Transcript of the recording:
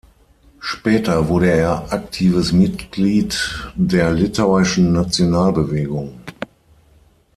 Später wurde er aktives Mitglied der litauischen Nationalbewegung.